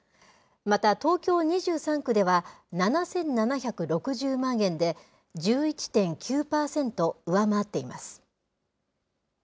また、東京２３区では、７７６０万円で、１１．９％上回っています。